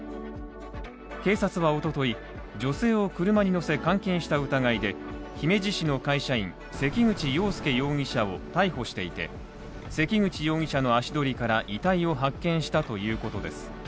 警察は、おととい、女性を車に乗せ監禁した疑いで姫路市の会社員、関口羊佑容疑者を逮捕していて、関口容疑者の足取りから遺体を発見したということです。